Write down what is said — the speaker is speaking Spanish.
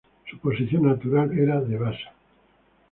Su posición natural era de base.